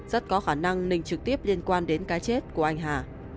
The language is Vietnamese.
rất có khả năng nình trực tiếp liên quan đến cái chết của anh hà